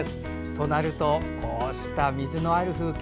となると、こうした水のある風景